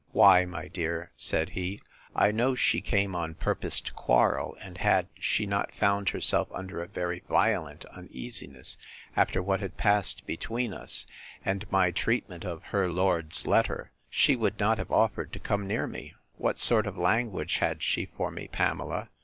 Why, my dear, said he, I know she came on purpose to quarrel; and had she not found herself under a very violent uneasiness, after what had passed between us, and my treatment of her lord's letter, she would not have offered to come near me. What sort of language had she for me, Pamela?